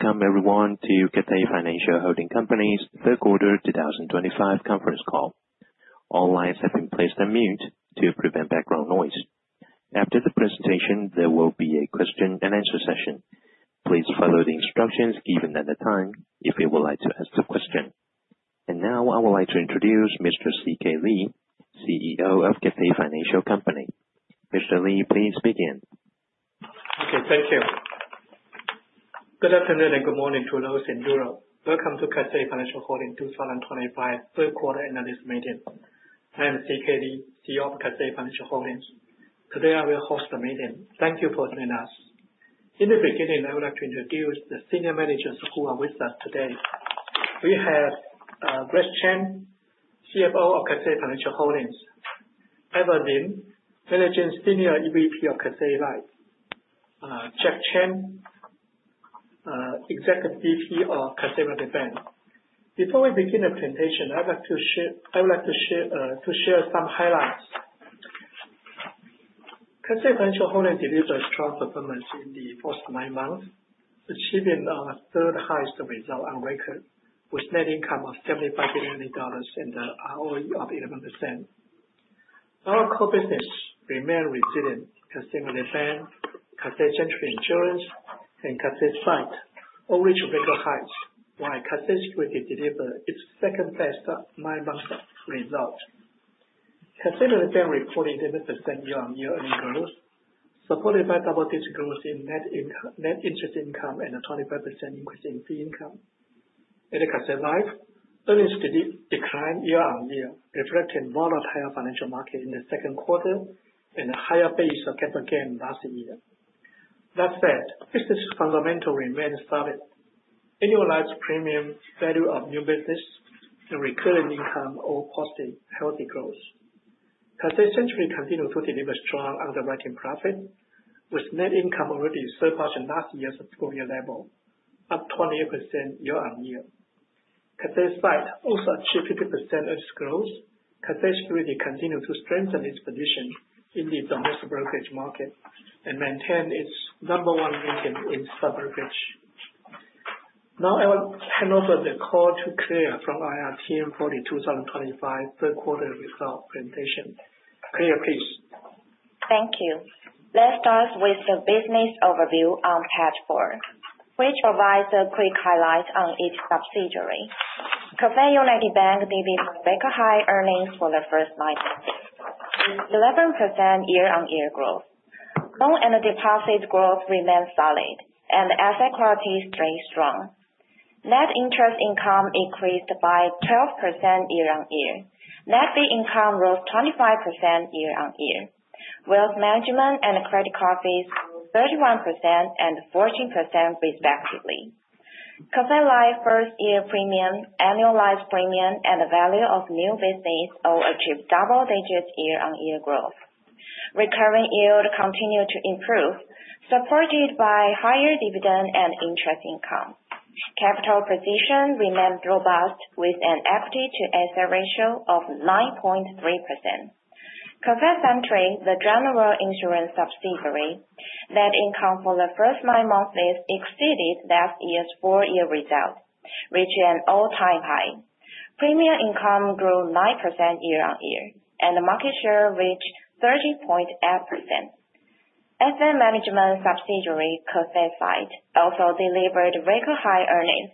Welcome everyone to Cathay Financial Holding Company's third quarter 2025 conference call. All lines have been placed on mute to prevent background noise. After the presentation, there will be a question and answer session. Please follow the instructions given at the time if you would like to ask a question. Now I would like to introduce Mr. Chang-Ken Lee, CEO of Cathay Financial Holding. Mr. Lee, please begin. Thank you. Good afternoon and good morning to those in Europe. Welcome to Cathay Financial Holdings 2025 third quarter analysis meeting. I am C.K. Lee, CEO of Cathay Financial Holdings. Today I will host the meeting. Thank you for joining us. In the beginning, I would like to introduce the senior managers who are with us today. We have Grace Chen, CFO of Cathay Financial Holdings; Abel Lin, managing senior EVP of Cathay Life; Jack Chen, executive VP of Cathay United Bank. Before we begin the presentation, I would like to share some highlights. Cathay Financial Holdings delivered a strong performance in the first nine months, achieving our third highest result on record, with net income of NTD 75 billion and a ROE of 11%. Our core business remain resilient. Cathay United Bank, Cathay Century Insurance, and Cathay Securities all reached record heights, while Cathay Securities delivered its second-best nine-month result. Cathay United Bank reported 11% year-on-year earnings growth, supported by double-digit growth in net interest income and a 25% increase in fee income. In Cathay Life, earnings declined year-on-year, reflecting volatile financial market in the second quarter and a higher base of capital gain last year. That said, business fundamental remained solid. Annualized premium, value of new business, and recurring income all posted healthy growth. Cathay Century continued to deliver strong underwriting profit, with net income already surpassing last year's full-year level, up 28% year-on-year. Cathay Securities also achieved 50% earnings growth. Cathay Securities continued to strengthen its position in the domestic brokerage market and maintain its number one ranking in sub-brokerage. Now, I will hand over the call to Claire from IR team for the 2025 third quarter result presentation. Claire, please. Thank you. Let's start with the business overview on page 4, which provides a quick highlight on each subsidiary. Cathay United Bank delivered record high earnings for the first nine months, 11% year-on-year growth. Loan and deposits growth remained solid, and asset quality stayed strong. Net interest income increased by 12% year-on-year. Net fee income rose 25% year-on-year. Wealth management and credit card fees, 31% and 14% respectively. Cathay Life first year premium, annualized premium, and the value of new business all achieved double digits year-on-year growth. Recurring yield continued to improve, supported by higher dividend and interest income. Capital position remained robust with an equity to asset ratio of 9.3%. Cathay Century, the general insurance subsidiary, net income for the first nine months exceeded last year's full year result, reaching an all-time high. Premium income grew 9% year-on-year, and the market share reached 30.8%. Asset management subsidiary, Cathay Securities, also delivered record high earnings.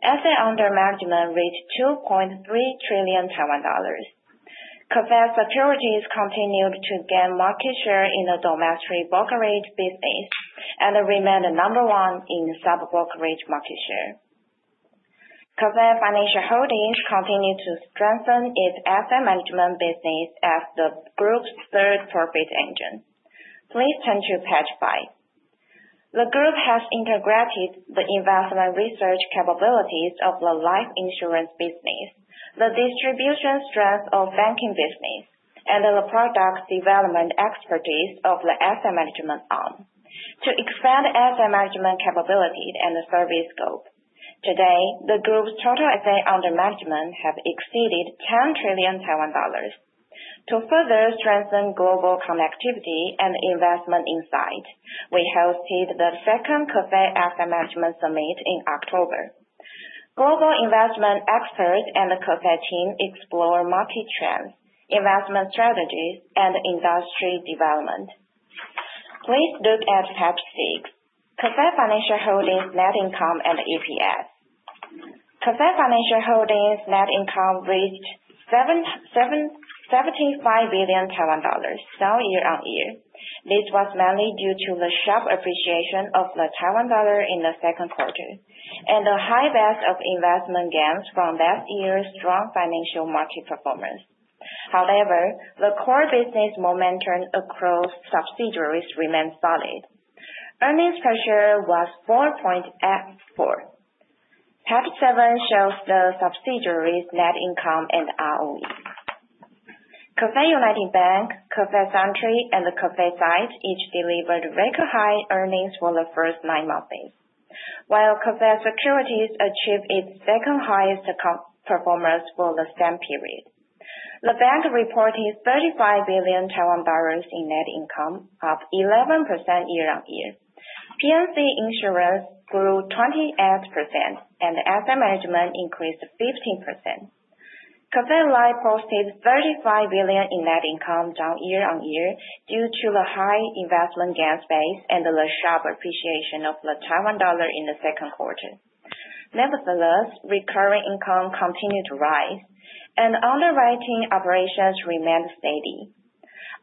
Assets under management reached NTD 2.3 trillion. Cathay Securities continued to gain market share in the domestic brokerage business and remained the number one in sub-brokerage market share. Cathay Financial Holdings continue to strengthen its asset management business as the group's third profit engine. Please turn to page 5. The group has integrated the investment research capabilities of the life insurance business, the distribution strength of banking business, and the product development expertise of the asset management arm to expand asset management capability and the service scope. Today, the group's total asset under management have exceeded NTD 10 trillion. To further strengthen global connectivity and investment insight, we hosted the second Cathay Asset Management Summit in October. Global investment experts and the Cathay team explore market trends, investment strategies, and industry development. Please look at page 6. Cathay Financial Holdings net income and EPS. Cathay Financial Holdings net income reached NTD 75 billion, down year-on-year. This was mainly due to the sharp appreciation of the Taiwan dollar in the second quarter and the high base of investment gains from last year's strong financial market performance. However, the core business momentum across subsidiaries remained solid. Earnings per share was NTD 4.84. Page seven shows the subsidiaries' net income and ROE. Cathay United Bank, Cathay Century, and Cathay Life each delivered record high earnings for the first nine months, while Cathay Securities achieved its second highest performance for the same period. The bank reported NTD 35 billion in net income, up 11% year-on-year. P&C Insurance grew 28%, and asset management increased 15%. Cathay Life posted NTD 35 billion in net income down year-on-year due to the high investment gap base and the sharp appreciation of the Taiwan dollar in the second quarter. Nevertheless, recurring income continued to rise and underwriting operations remained steady.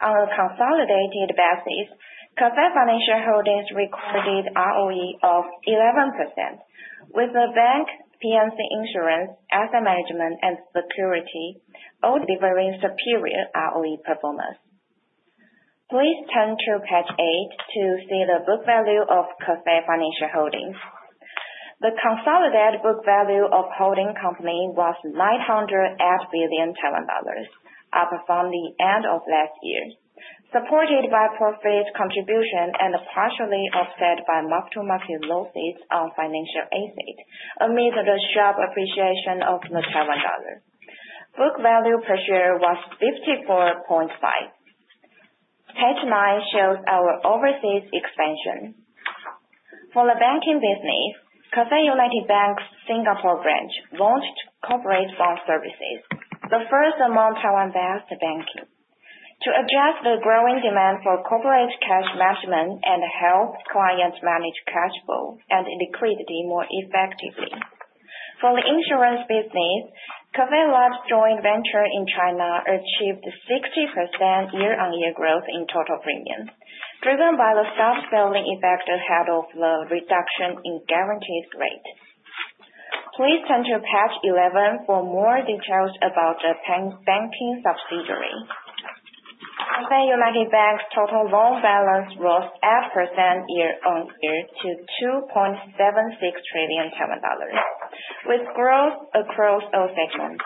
On a consolidated basis, Cathay Financial Holdings recorded ROE of 11%, with the bank, P&C Insurance, asset management, and securities all delivering superior ROE performance. Please turn to page 8 to see the book value of Cathay Financial Holding. The consolidated book value of holding company was NTD 908 billion, up from the end of last year, supported by profit contribution and partially offset by mark-to-market losses on financial assets amid the sharp appreciation of the Taiwan dollar. Book value per share was NTD 54.5. Page 9 shows our overseas expansion. For the banking business, Cathay United Bank's Singapore branch launched corporate loan services, the first among Taiwan-based banking, to address the growing demand for corporate cash management and help clients manage cash flow and liquidity more effectively. For the insurance business, Cathay Life's joint venture in China achieved 60% year-on-year growth in total premiums, driven by the soft selling effect ahead of the reduction in guarantees rate. Please turn to page 11 for more details about the banking subsidiary. Cathay United Bank's total loan balance rose 8% year-on-year to NTD 2.76 trillion, with growth across all segments.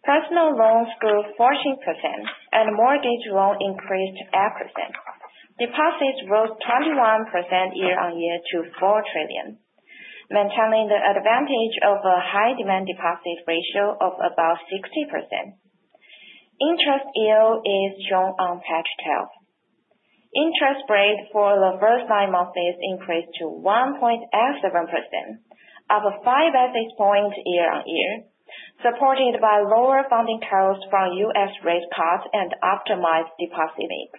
Personal loans grew 14% and mortgage loans increased 8%. Deposits rose 21% year-on-year to NTD 4 trillion, maintaining the advantage of a high demand deposit ratio of about 60%. Interest yield is shown on page 12. Interest rates for the first nine months increased to 1.87%, up 5 basis points year-on-year, supported by lower funding costs from U.S. rate cuts and optimized deposit mix.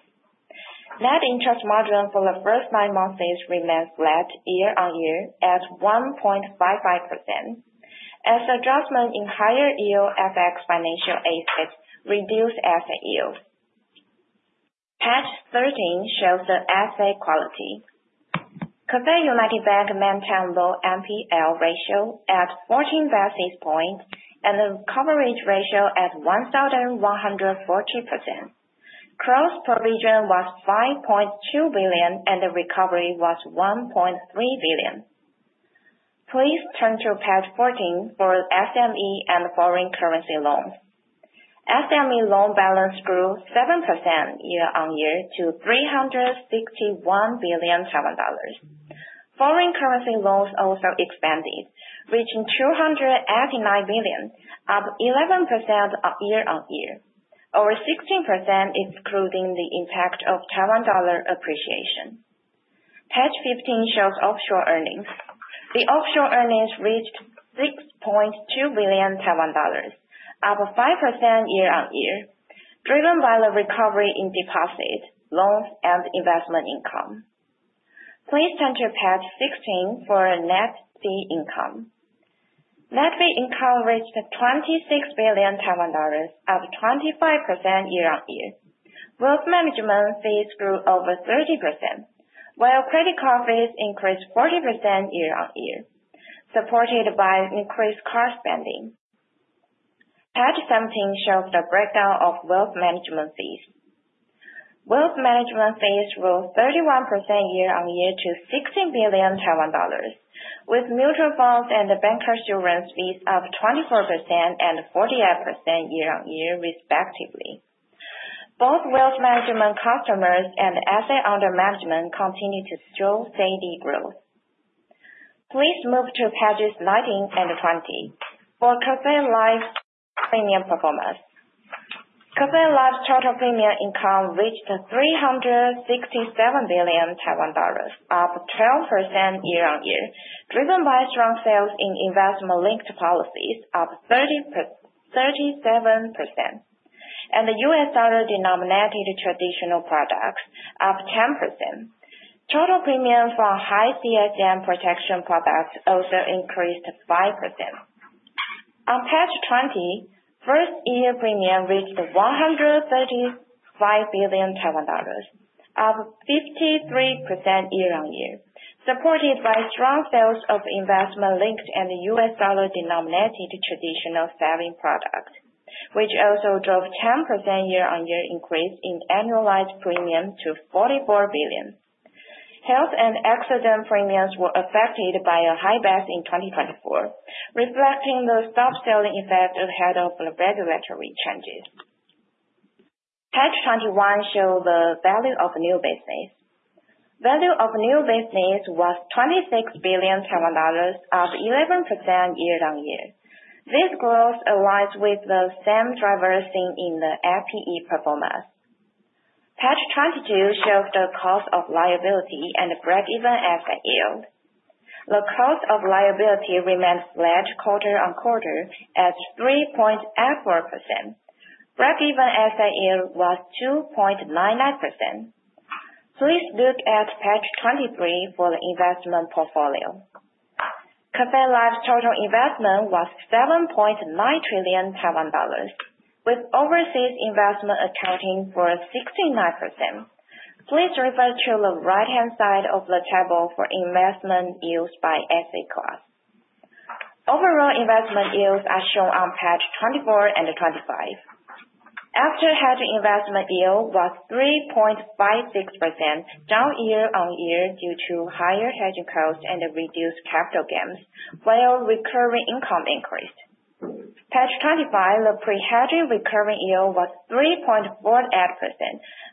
Net interest margin for the first nine months remains flat year-on-year at 1.55% as adjustment in higher yield FX financial assets reduced asset yield. Page 13 shows the asset quality. Cathay United Bank maintained low NPL ratio at 14 basis points and the coverage ratio at 1,140%. Gross provision was NTD 5.2 billion and the recovery was NTD 1.3 billion. Please turn to page 14 for SME and foreign currency loans. SME loan balance grew 7% year-on-year to NTD 361 billion. Foreign currency loans also expanded, reaching NTD 289 billion, up 11% year-on-year, or 16% including the impact of Taiwan dollar appreciation. Page 15 shows offshore earnings. The offshore earnings reached NTD 6.2 billion, up 5% year-on-year, driven by the recovery in deposits, loans, and investment income. Please turn to page 16 for net fee income. Net fee income reached NTD 26 billion, up 25% year-on-year. Wealth management fees grew over 30%, while credit card fees increased 40% year-on-year, supported by increased card spending. Page 17 shows the breakdown of wealth management fees. Wealth management fees grew 31% year-on-year to NTD 16 billion, with mutual funds and bancassurance fees up 24% and 48% year-on-year respectively. Both wealth management customers and assets under management continued to show steady growth. Please move to pages 19 and 20 for Cathay Life's premium performance. Cathay Life's total premium income reached NTD 367 billion, up 12% year-on-year, driven by strong sales in investment-linked policies, up 37%. The U.S. dollar denominated traditional products up 10%. Total premium for high CSM protection products also increased 5%. On page 20, first year premium reached NTD 135 billion, up 53% year-on-year, supported by strong sales of investment-linked and U.S. dollar-denominated traditional savings products, which also drove 10% year-on-year increase in annualized premium to 44 billion. Health and accident premiums were affected by a high base in 2024, reflecting the soft selling effect ahead of the regulatory changes. Page 21 shows the value of new business. Value of new business was NTD 26 billion, up 11% year-on-year. This growth aligns with the same trajectory in the APE performance. Page 22 shows the cost of liability and the break-even asset yield. The cost of liability remains flat quarter-on-quarter at 3.84%. Break-even asset yield was 2.99%. Please look at page 23 for the investment portfolio. Cathay Life's total investment was NTD 7.9 trillion, with overseas investment accounting for 69%. Please refer to the right-hand side of the table for investment yields by asset class. Overall investment yields are shown on pages 24 and 25. After hedging investment yield was 3.56%, down year-on-year due to higher hedging costs and the reduced capital gains, while recurring income increased. Page 25, the pre-hedging recurring yield was 3.48%,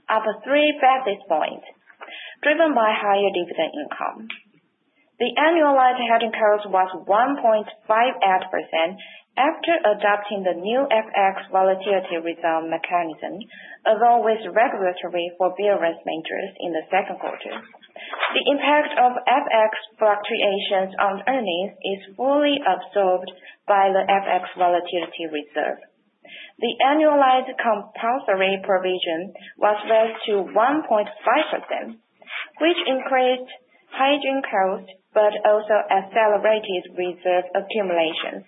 up 3 basis points, driven by higher dividend income. The annualized hedging cost was 1.58% after adopting the new FX volatility reserve mechanism, along with regulatory forbearance interest in the second quarter. The impact of FX fluctuations on earnings is fully absorbed by the FX volatility reserve. The annualized compulsory provision was raised to 1.5%, which increased hedging cost but also accelerated reserve accumulation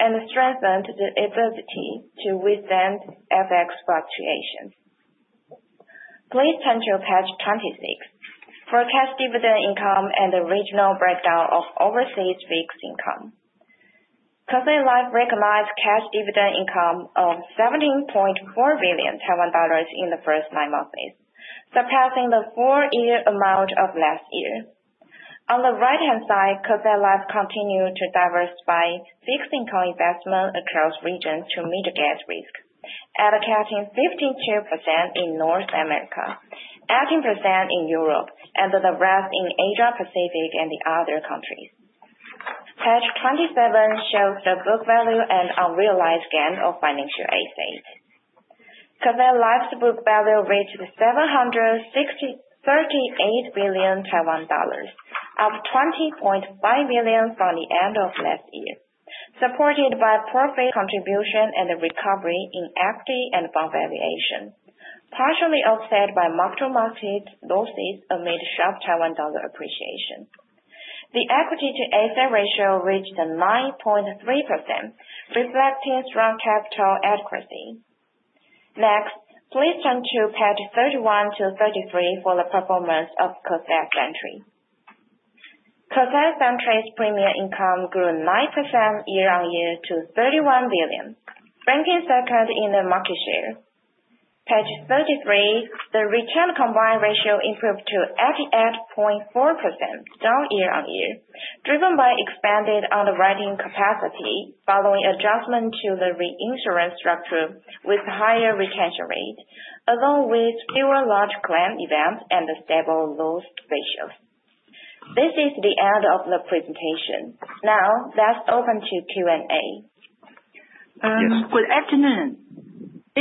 and strengthened the ability to withstand FX fluctuations. Please turn to page 26 for cash dividend income and the regional breakdown of overseas fixed income. Cathay Life recognized cash dividend income of NTD 17.4 billion in the first nine months, surpassing the full year amount of last year. On the right-hand side, Cathay Life continued to diversify fixed income investment across regions to mitigate risk, accounting 52% in North America, 18% in Europe, and the rest in Asia-Pacific and the other countries. Page 27 shows the book value and unrealized gain of financial assets. Cathay Life's book value reached NTD 738 billion, up NTD 20.5 billion from the end of last year, supported by profit contribution and the recovery in equity and bond valuation, partially offset by mark-to-market losses amid sharp Taiwan dollar appreciation. The equity to asset ratio reached 9.3%, reflecting strong capital adequacy. Next, please turn to page 31-33 for the performance of Cathay Century. Cathay Century's premium income grew 9% year-on-year to NTD 31 billion, ranking second in the market share. Page 33, the retained combined ratio improved to 88.4% down year-on-year, driven by expanded underwriting capacity following adjustment to the reinsurance structure with higher retention rate, along with fewer large claim events and the stable loss ratios. This is the end of the presentation. Now, let's open to Q&A. Good afternoon.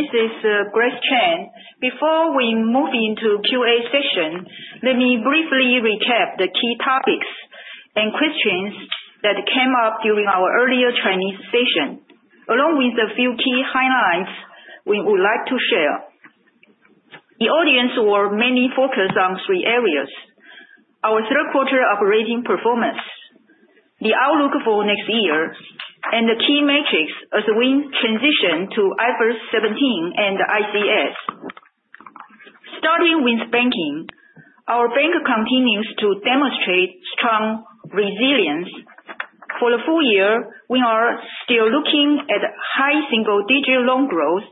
This is Grace Chen. Before we move into Q&A session, let me briefly recap the key topics and questions that came up during our earlier Chinese session, along with a few key highlights we would like to share. The audience were mainly focused on three areas. Our third quarter operating performance, the outlook for next year, and the key metrics as we transition to IFRS 17 and ICS. Starting with banking, our bank continues to demonstrate strong resilience. For the full year, we are still looking at high single-digit loan growth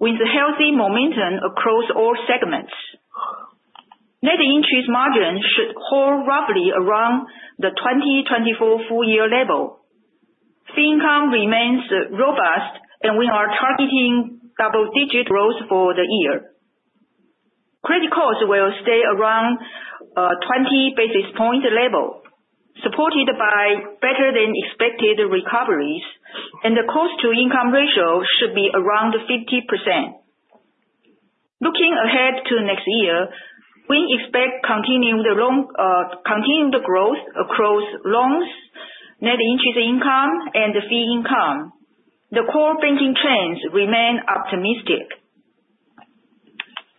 with healthy momentum across all segments. Net interest margin should hold roughly around the 2024 full-year level. Fee income remains robust, and we are targeting double-digit growth for the year. Credit costs will stay around 20 basis points level, supported by better than expected recoveries, and the cost-to-income ratio should be around 50%. Looking ahead to next year, we expect continuing the growth across loans, net interest income and fee income. The core banking trends remain optimistic.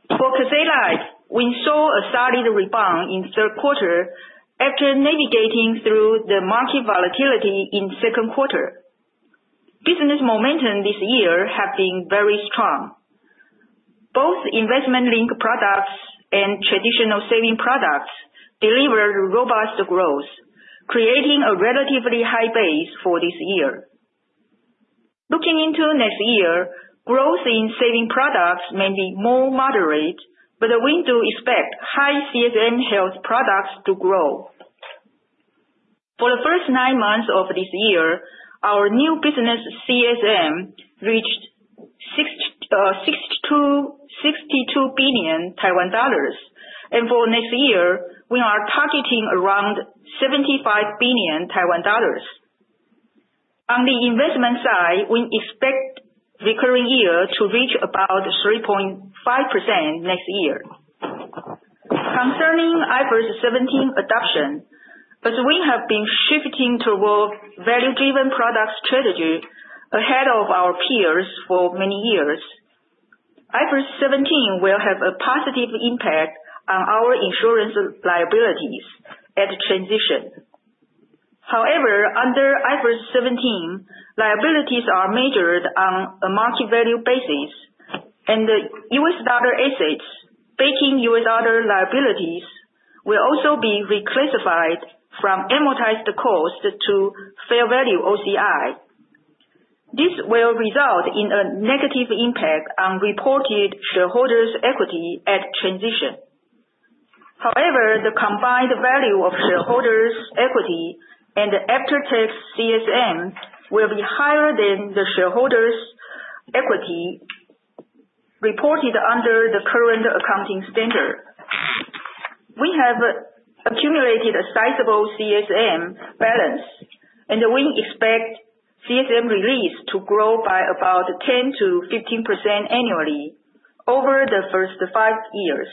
For Cathay Life, we saw a solid rebound in the third quarter after navigating through the market volatility in second quarter. Business momentum this year have been very strong. Both investment-linked products and traditional saving products delivered robust growth, creating a relatively high base for this year. Looking into next year, growth in saving products may be more moderate, but we do expect high CSM health products to grow. For the first nine months of this year, our new business CSM reached NTD 62 billion. For next year, we are targeting around NTD 75 billion. On the investment side, we expect the current year to reach about 3.5% next year. Concerning IFRS 17 adoption, as we have been shifting towards value-driven product strategy ahead of our peers for many years, IFRS 17 will have a positive impact on our insurance liabilities at transition. However, under IFRS 17, liabilities are measured on a market value basis, and the U.S. dollar assets backing U.S. dollar liabilities will also be reclassified from amortized cost to fair value OCI. This will result in a negative impact on reported shareholders equity at transition. However, the combined value of shareholders equity and after-tax CSM will be higher than the shareholders equity reported under the current accounting standard. We have accumulated a sizable CSM balance, and we expect CSM release to grow by about 10%-15% annually over the first five years,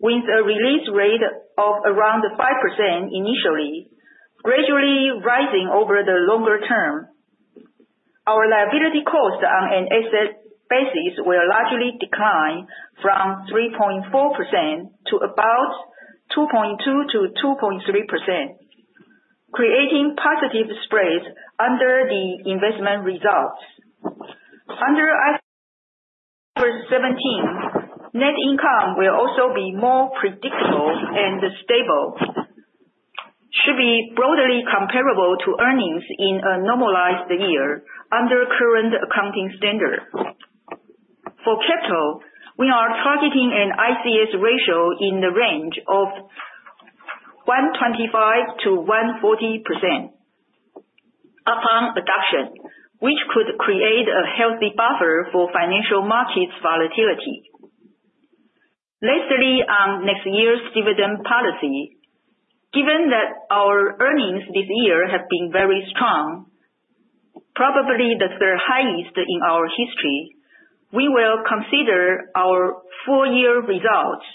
with a release rate of around 5% initially, gradually rising over the longer term. Our liability cost on an asset basis will largely decline from 3.4% to about 2.2%-2.3%, creating positive spreads under the investment results. Under IFRS 17, net income will also be more predictable and stable, should be broadly comparable to earnings in a normalized year under current accounting standard. For capital, we are targeting an ICS ratio in the range of 125%-140% upon adoption, which could create a healthy buffer for financial markets volatility. Lastly, on next year's dividend policy. Given that our earnings this year have been very strong, probably the third highest in our history, we will consider our full year results,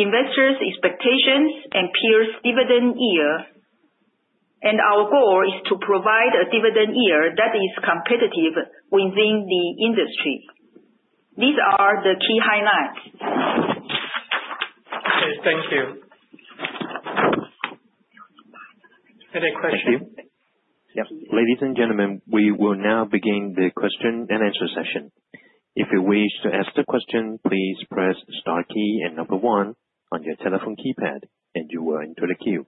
investors' expectations and peers' dividend yield. Our goal is to provide a dividend yield that is competitive within the industry. These are the key highlights. Okay, thank you. Any question? Thank you. Yep. Ladies and gentlemen, we will now begin the question-and-answer session. If you wish to ask the question, please press star key and number one on your telephone keypad, and you will enter the queue.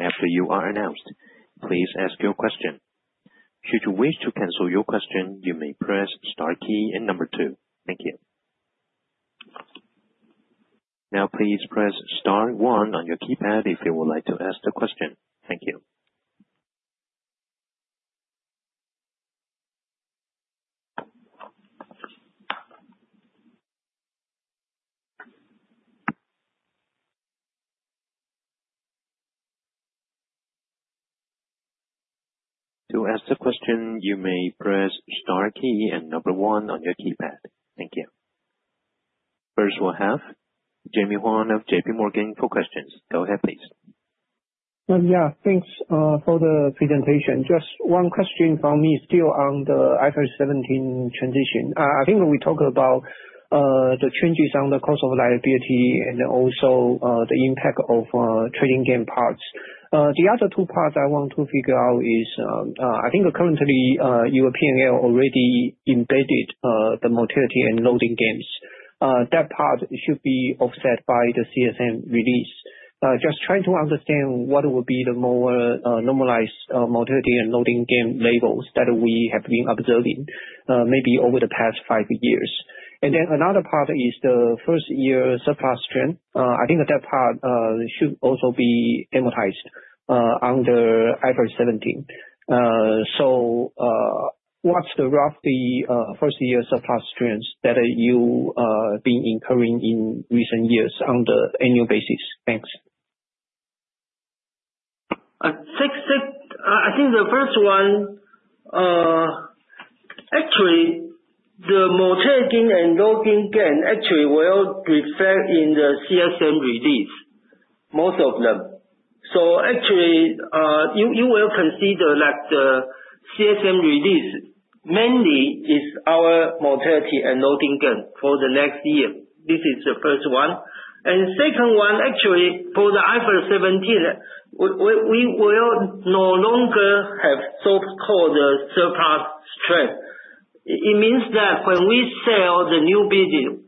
After you are announced, please ask your question. Should you wish to cancel your question, you may press star key and number two. Thank you. Now please press star one on your keypad if you would like to ask the question. Thank you. To ask the question, you may press star key and number one on your keypad. Thank you. First we'll have Jemmy Huang of JPMorgan for questions. Go ahead, please. Thanks for the presentation. Just one question from me still on the IFRS 17 transition. I think we talked about the changes on the cost of liability and also the impact of trading gain parts. The other two parts I want to figure out is, I think currently, EV reporting already embedded the mortality and loading gains. That part should be offset by the CSM release. Just trying to understand what will be the more normalized mortality and loading gain levels that we have been observing, maybe over the past five years. Another part is the first year surplus strain. I think that part should also be amortized under IFRS 17. What's the roughly first year surplus strain that you been incurring in recent years on the annual basis? Thanks. I think the first one, actually the mortality gain and loading gain actually will reflect in the CSM release, most of them. So actually, you will consider that the CSM release mainly is our mortality and loading gain for the next year. This is the first one. Second one actually for the IFRS 17, we will no longer have so-called surplus strain. It means that when we sell the new business,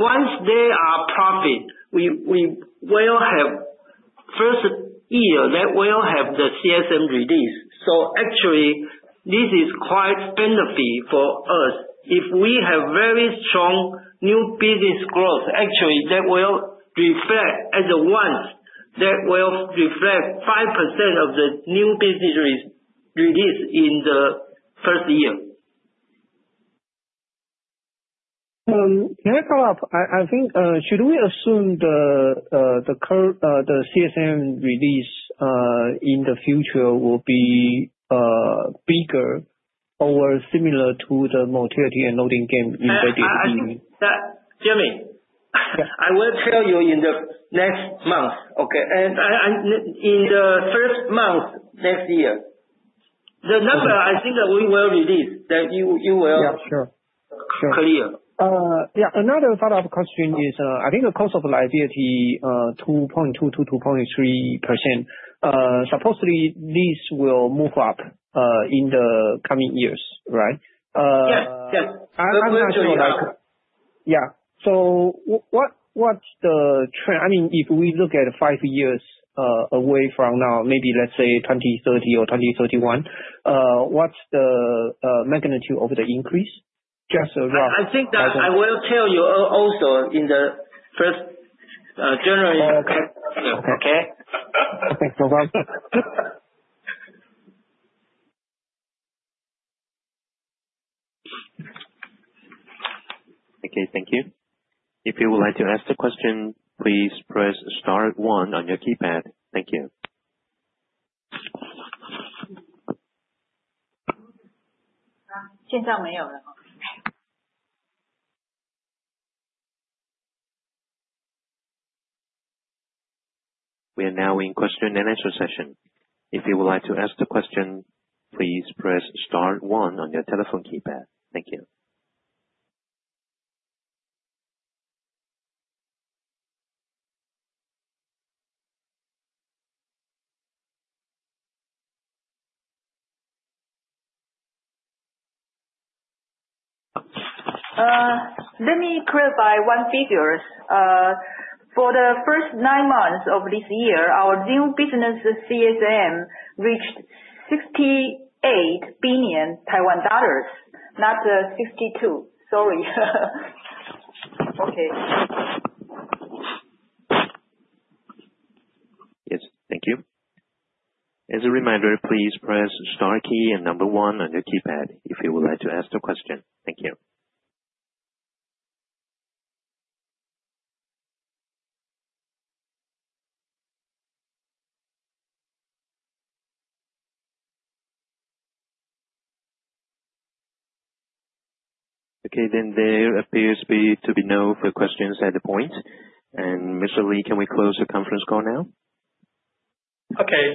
once they are profit, we will have first year that will have the CSM release. So actually This is quite beneficial for us. If we have very strong new business growth, actually that will reflect 5% of the new businesses released in the first year. Can I follow up? I think should we assume the CSM release in the future will be bigger or similar to the mortality and loading gain embedded in- Jemmy? Yeah? I will tell you in the next month, okay? In the first month next year, the number I think that we will release that you will- Yeah, sure. Clear. Yeah. Another follow-up question is, I think the cost of liability 2.2%-2.3%. Supposedly this will move up in the coming years, right? Yes. I will tell you that. Yeah. What’s the trend? I mean, if we look at five years away from now, maybe let's say 2030 or 2031, what’s the magnitude of the increase? Just roughly. I think that I will tell you also in the first January, okay? Okay, thanks so much. Okay, thank you. If you would like to ask the question, please press star one on your keypad. Thank you. We are now in question-and-answer session. If you would like to ask the question, please press star one on your telephone keypad. Thank you. Let me clarify one figure. For the first nine months of this year, our new business CSM reached NTD 68 billion, not NTD 52 billion. Sorry. Yes, thank you. As a reminder, please press star key and number one on your keypad if you would like to ask the question. Thank you. Okay, then there appears to be no further questions at this point. Mr. Lee, can we close the conference call now? Okay.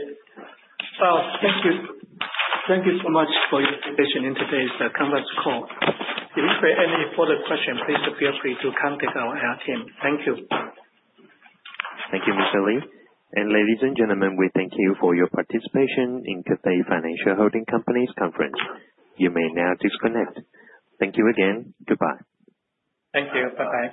Thank you so much for your participation in today's conference call. If you have any further question, please feel free to contact our IR team. Thank you. Thank you, Mr. Lee. Ladies and gentlemen, we thank you for your participation in Cathay Financial Holding Companies Conference. You may now disconnect. Thank you again, goodbye. Thank you. Bye-bye.